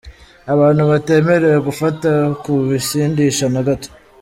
Abantu batemerewe gufata ku bisindisha na gato.